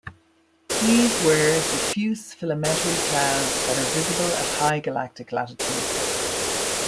These were diffuse filamentary clouds that are visible at high galactic latitudes.